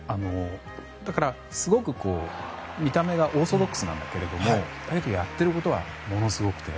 だからすごく見た目がオーソドックスなんだけどけれど、やっていることはものすごくて。